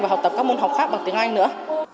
và học tập các môn học khác bằng tiếng anh nữa